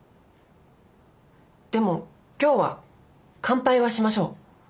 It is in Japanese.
でも今日は乾杯はしましょう。